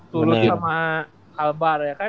turut sama albar ya kan